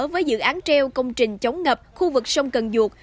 với dự án treo công trình chống ngập khu vực sông cần duột